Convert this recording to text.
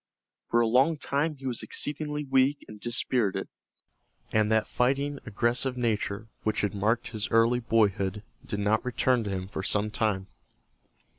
For a long time he was exceedingly weak and dispirited, and that fighting aggressive nature which had marked his early boyhood did not return to him for some time.